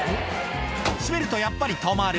閉めるとやっぱり止まる。